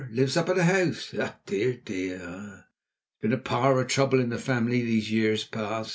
Lives up at the House. Ah, dear! ah, dear! There's been a power o' trouble in the family these years past."